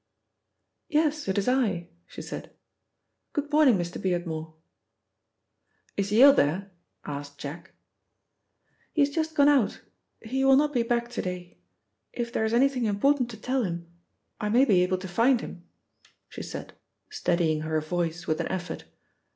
"Yes, it is I," she said. "Good morning, Mr. Beardmore." "Is Yale there?" asked Jack. "He has just gone out: he will not be back to day. If there is anything important to tell him, I may be able to find him," she said, steadying her voice with an effort.